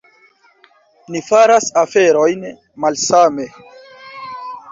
Ni faras aferojn malsame.